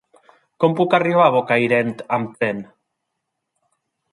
Com puc arribar a Bocairent amb tren?